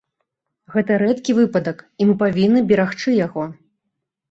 Гэта рэдкі выпадак і мы павінны берагчы яго.